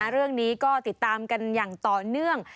เรื่องนี้ก็ติดตามกันอย่างต่อเนื่อง